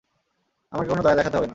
আমাকে কোনো দয়া দেখাতে হবে না।